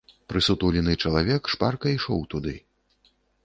Прысутулены чалавек шпарка ішоў туды.